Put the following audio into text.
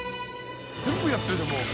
全部やってるじゃんもう。